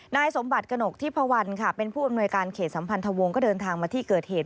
นายสมบัติกระหนกทิพวันค่ะเป็นผู้อำนวยการเขตสัมพันธวงศ์ก็เดินทางมาที่เกิดเหตุ